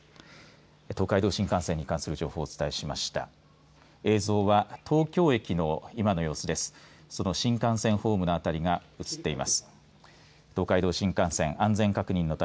東海道新幹線に関する情報をお伝えしました。